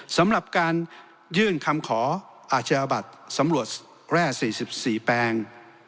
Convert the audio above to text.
สำหรับการยื่นคำขออาชญาบัตรสำรวจแร่๔๔แปลง